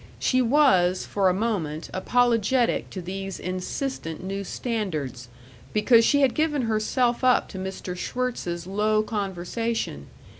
She was, for a moment, apologetic to these insistent new standards, because she had given herself up to Mr. Schwirtz's low conversation....